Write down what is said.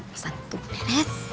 pesan itu beres